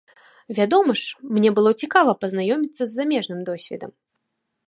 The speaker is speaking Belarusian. Вядома ж, мне было цікава пазнаёміцца з замежным досведам.